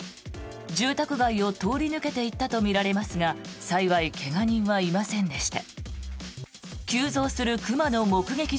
住宅街を通り抜けていったとみられますが幸い、怪我人はいませんでした。